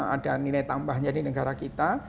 ada nilai tambahnya di negara kita